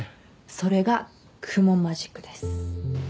それが公文マジックです